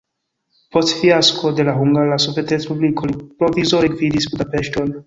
Post fiasko de la Hungara Sovetrespubliko li provizore gvidis Budapeŝton.